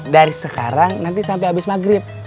dari sekarang nanti sampe abis maghrib